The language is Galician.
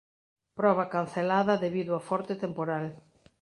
Proba cancelada debido ao forte temporal.